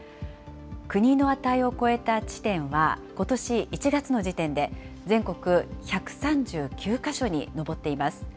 国の値を超えた地点は、ことし１月の時点で全国１３９か所に上っています。